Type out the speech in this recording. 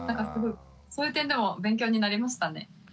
すごいそういう点でも勉強になりましたね。